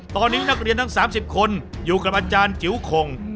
ตอนนี้นักเรียนทั้ง๓๐คนอยู่กับอาจารย์จิ๋วข่ง